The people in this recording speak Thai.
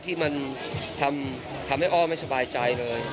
ที่มันทำให้อ้อไม่สบายใจเลย